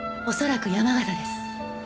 恐らく山形です。